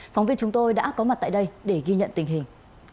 phóng viên chúng tôi đã có mặt tại đây để ghi nhận tình hình